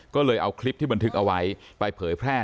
ก็เลยเอาคลิปที่บันทึกเอาไว้ไปเผยแพร่